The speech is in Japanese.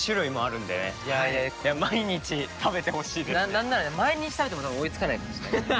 なんなら毎日食べても追いつかないかもしれないね。